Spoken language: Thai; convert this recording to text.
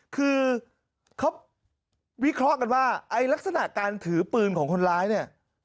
คือเขาวิเคราะห์กันว่าไอ้ลักษณะการถือปืนของคนร้ายเนี่ย